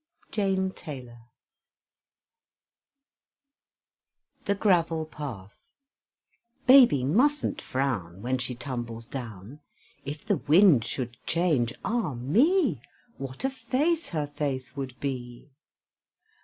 JANE TAYLOR THE GRAVEL PATH Baby mustn't frown, When she tumbles down; If the wind should change Ah me, What a face her face would be!